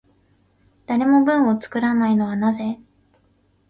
誰も文を作らないのはなぜ？